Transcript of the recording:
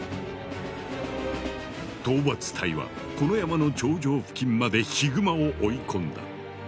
討伐隊はこの山の頂上付近までヒグマを追い込んだ。